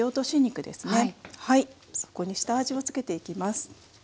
そこに下味をつけていきます。